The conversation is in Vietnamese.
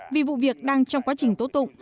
vì vụ việc đang trong quá trình tố tụng